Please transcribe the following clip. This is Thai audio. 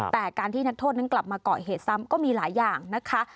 แต่การที่นักโทษนั้นกลับมาเกาะเหตุซ้ำก็มีหลายอย่างนะคะ